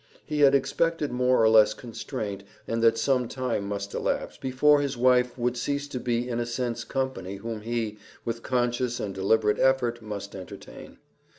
He had expected more or less constraint and that some time must elapse before his wife would cease to be in a sense company whom he, with conscious and deliberate effort, must entertain.